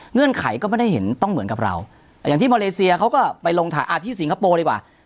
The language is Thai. ไขก็ไม่ได้เห็นต้องเหมือนกับเราอย่างที่มาเลเซียเขาก็ไปลงถ่ายที่สิงคโปร์ดีกว่า